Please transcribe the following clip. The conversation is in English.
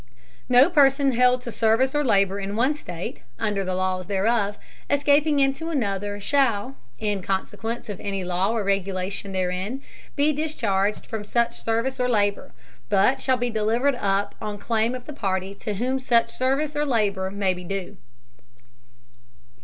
No Person held to Service or Labour in one State, under the Laws thereof, escaping into another, shall, in Consequence of any Law or Regulation therein, be discharged from such Service or Labour, but shall be delivered up on Claim of the Party to whom such Service or Labour may be due.